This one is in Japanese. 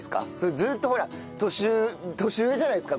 ずーっとほら年上じゃないですか。